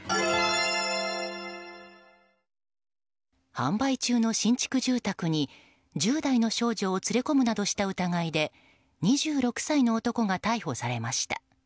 販売中の新築住宅に１０代の少女を連れ込むなどした疑いで２６歳の男が逮捕されました。